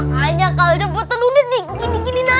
makanya kalau cepetan udah digini giniin aja